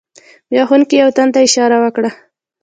بیا ښوونکي یو تن ته اشاره وکړه.